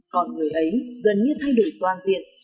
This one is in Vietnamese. còn người ấy gần như thay đổi toàn diện